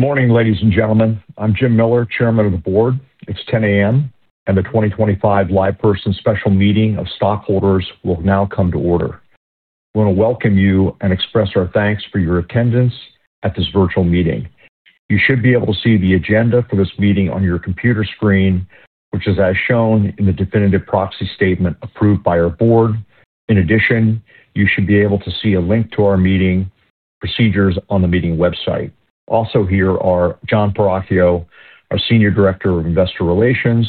Good morning, ladies and gentlemen. I'm Jim Miller, Chairman of the Board. It's 10:00 A.M., and the 2025 LivePerson Special Meeting of Stockholders will now come to order. We want to welcome you and express our thanks for your attendance at this virtual meeting. You should be able to see the agenda for this meeting on your computer screen, which is as shown in the definitive proxy statement approved by our Board. In addition, you should be able to see a link to our meeting procedures on the meeting website. Also here are Jon Perachio, our Senior Director of Investor Relations;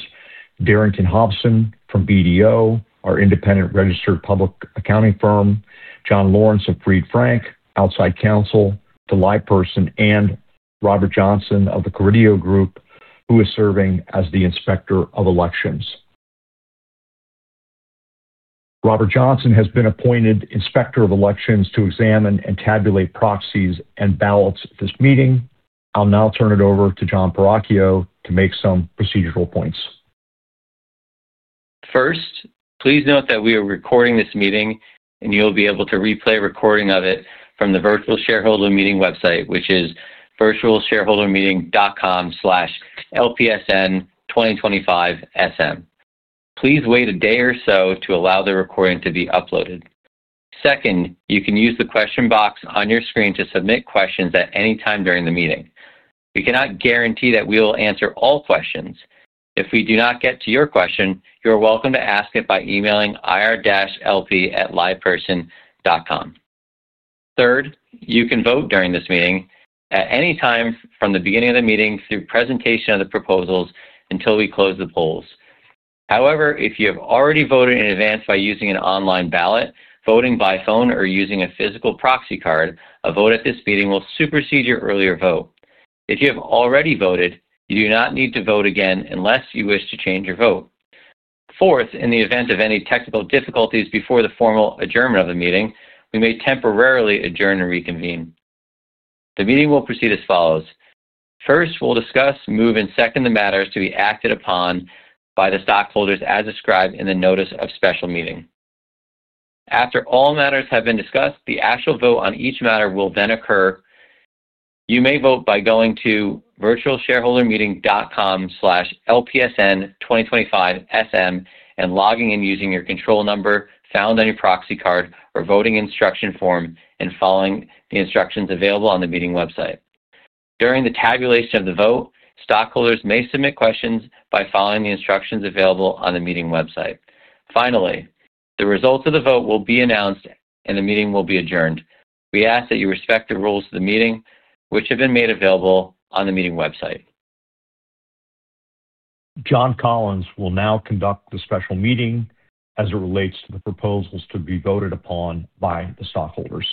Darrington Hobson from BDO, our independent registered public accounting firm; John Lawrence and Fried Frank, outside counsel; LivePerson; and Robert Johnson of The Carideo Group, who is serving as the Inspector of Elections. Robert Johnson has been appointed Inspector of Elections to examine and tabulate proxies and ballots at this meeting. I'll now turn it over to Jon Perachio to make some procedural points. First, please note that we are recording this meeting, and you'll be able to replay a recording of it from the virtual shareholder meeting website, which is virtualshareholdermeeting.com/lpsn2025.sm. Please wait a day or so to allow the recording to be uploaded. Second, you can use the question box on your screen to submit questions at any time during the meeting. We cannot guarantee that we will answer all questions. If we do not get to your question, you are welcome to ask it by emailing ir-lp@liveperson.com. Third, you can vote during this meeting at any time from the beginning of the meeting through presentation of the proposals until we close the polls. However, if you have already voted in advance by using an online ballot, voting by phone, or using a physical proxy card, a vote at this meeting will supersede your earlier vote. If you have already voted, you do not need to vote again unless you wish to change your vote. Fourth, in the event of any technical difficulties before the formal adjournment of the meeting, we may temporarily adjourn and reconvene. The meeting will proceed as follows. First, we'll discuss, move, and second the matters to be acted upon by the stockholders as described in the notice of special meeting. After all matters have been discussed, the actual vote on each matter will then occur. You may vote by going to virtualshareholdermeeting.com/lpsn2025.sm and logging in using your control number found on your proxy card or voting instruction form and following the instructions available on the meeting website. During the tabulation of the vote, stockholders may submit questions by following the instructions available on the meeting website. Finally, the results of the vote will be announced, and the meeting will be adjourned. We ask that you respect the rules of the meeting, which have been made available on the meeting website. John Collins will now conduct the special meeting as it relates to the proposals to be voted upon by the stockholders.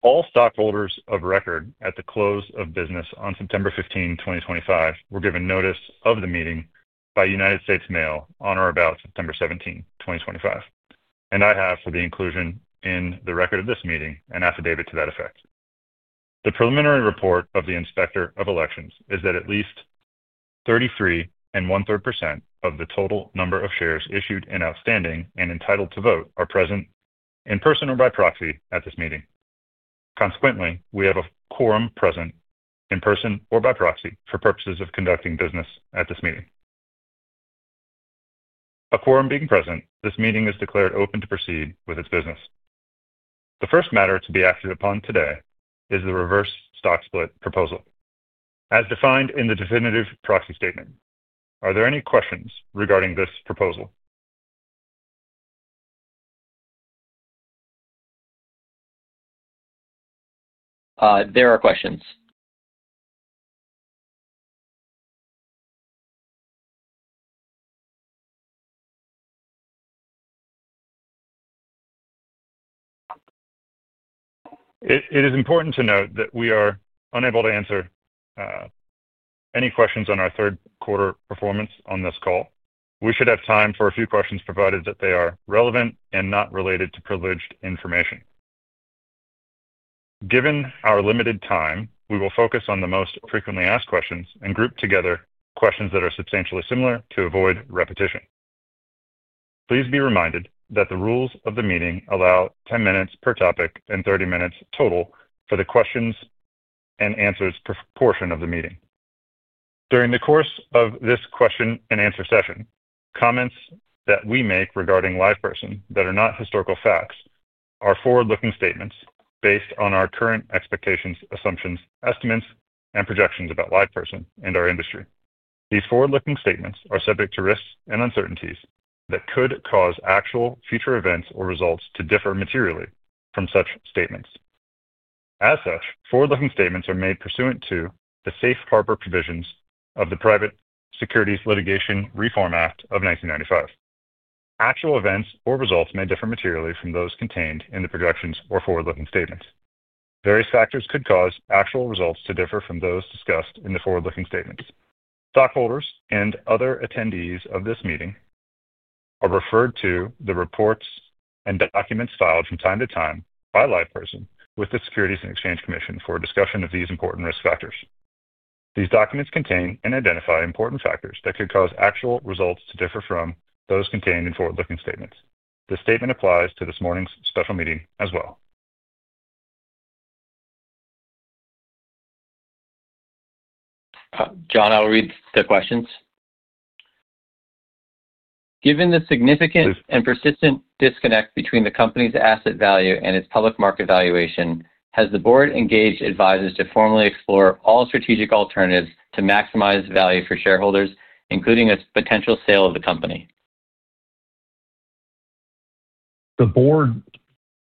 All stockholders of record at the close of business on September 15, 2025, were given notice of the meeting by United States Mail on or about September 17, 2025. I have for the inclusion in the record of this meeting an affidavit to that effect. The preliminary report of the Inspector of Elections is that at least 33 1/3 % of the total number of shares issued and outstanding and entitled to vote are present in person or by proxy at this meeting. Consequently, we have a quorum present in person or by proxy for purposes of conducting business at this meeting. A quorum being present, this meeting is declared open to proceed with its business. The first matter to be acted upon today is the reverse stock split proposal. As defined in the definitive proxy statement, are there any questions regarding this proposal? There are questions. It is important to note that we are unable to answer any questions on our third quarter performance on this call. We should have time for a few questions, provided that they are relevant and not related to privileged information. Given our limited time, we will focus on the most frequently asked questions and group together questions that are substantially similar to avoid repetition. Please be reminded that the rules of the meeting allow 10 minutes per topic and 30 minutes total for the questions and answers portion of the meeting. During the course of this question and answer session, comments that we make regarding LivePerson that are not historical facts are forward-looking statements based on our current expectations, assumptions, estimates, and projections about LivePerson and our industry. These forward-looking statements are subject to risks and uncertainties that could cause actual future events or results to differ materially from such statements. As such, forward-looking statements are made pursuant to the safe harbor provisions of the Private Securities Litigation Reform Act of 1995. Actual events or results may differ materially from those contained in the projections or forward-looking statements. Various factors could cause actual results to differ from those discussed in the forward-looking statements. Stockholders and other attendees of this meeting are referred to the reports and documents filed from time to time by LivePerson with the Securities and Exchange Commission for a discussion of these important risk factors. These documents contain and identify important factors that could cause actual results to differ from those contained in forward-looking statements. This statement applies to this morning's special meeting as well. John, I'll read the questions. Given the significant and persistent disconnect between the company's asset value and its public market valuation, has the Board engaged advisors to formally explore all strategic alternatives to maximize value for shareholders, including its potential sale of the company? The Board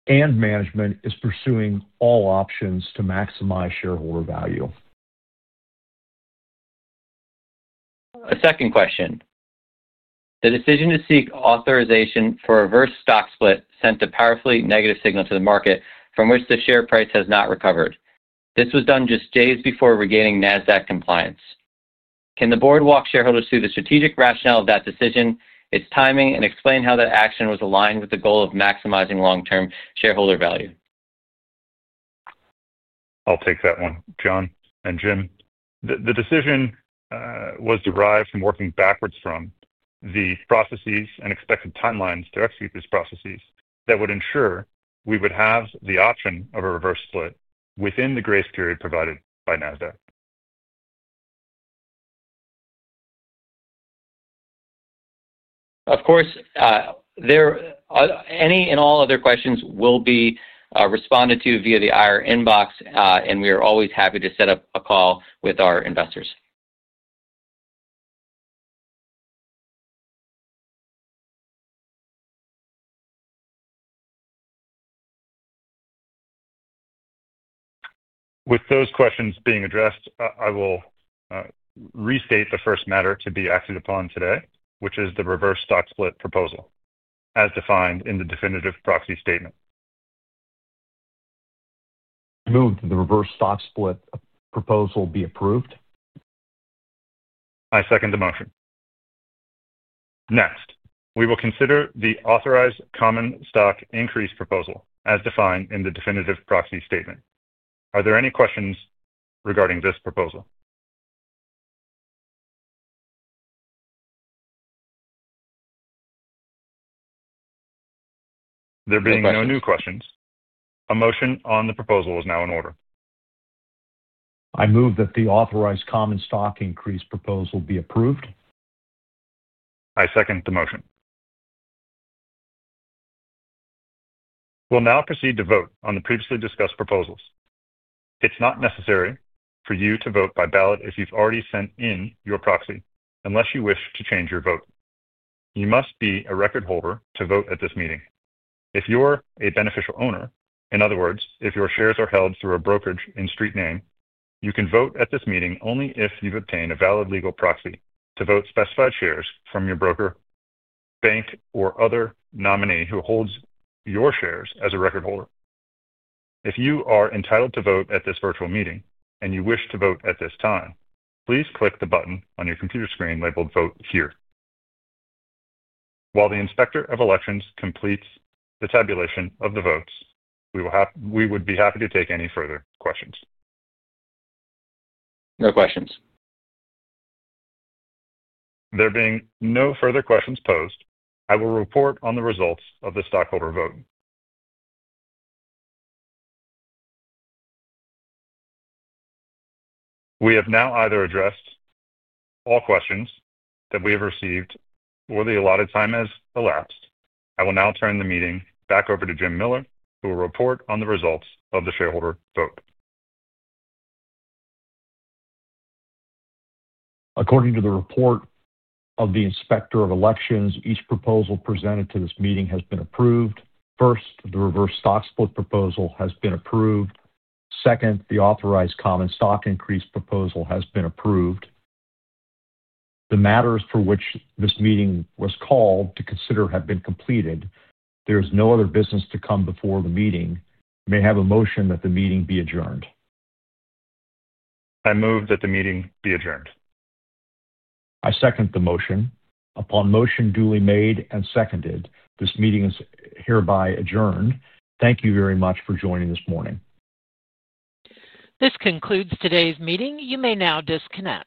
and management are pursuing all options to maximize shareholder value. A second question. The decision to seek authorization for a reverse stock split sent a powerfully negative signal to the market, from which the share price has not recovered. This was done just days before regaining NASDAQ compliance. Can the Board walk shareholders through the strategic rationale of that decision, its timing, and explain how that action was aligned with the goal of maximizing long-term shareholder value? I'll take that one, Jon and Jim. The decision was derived from working backwards from the processes and expected timelines to execute these processes that would ensure we would have the option of a reverse stock split within the grace period provided by NASDAQ. Of course, any and all other questions will be responded to via the IR inbox, and we are always happy to set up a call with our investors. With those questions being addressed, I will restate the first matter to be acted upon today, which is the reverse stock split proposal as defined in the definitive proxy statement. Moved that the reverse stock split proposal be approved. I second the motion. Next, we will consider the authorized common stock increase proposal as defined in the definitive proxy statement. Are there any questions regarding this proposal? There being no new questions, a motion on the proposal is now in order. I move that the authorized common stock increase proposal be approved. I second the motion. We'll now proceed to vote on the previously discussed proposals. It's not necessary for you to vote by ballot if you've already sent in your proxy unless you wish to change your vote. You must be a record holder to vote at this meeting. If you're a beneficial owner, in other words, if your shares are held through a brokerage in street name, you can vote at this meeting only if you've obtained a valid legal proxy to vote specified shares from your broker, bank, or other nominee who holds your shares as a record holder. If you are entitled to vote at this virtual meeting and you wish to vote at this time, please click the button on your computer screen labeled Vote Here. While the Inspector of Elections completes the tabulation of the votes, we would be happy to take any further questions. No questions. There being no further questions posed, I will report on the results of the stockholder vote. We have now either addressed all questions that we have received or the allotted time has elapsed. I will now turn the meeting back over to Jim Miller, who will report on the results of the shareholder vote. According to the report of the Inspector of Elections, each proposal presented to this meeting has been approved. First, the reverse stock split proposal has been approved. Second, the authorized common stock increase proposal has been approved. The matters for which this meeting was called to consider have been completed. There is no other business to come before the meeting. May I have a motion that the meeting be adjourned? I move that the meeting be adjourned. I second the motion. Upon motion duly made and seconded, this meeting is hereby adjourned. Thank you very much for joining this morning. This concludes today's meeting. You may now disconnect.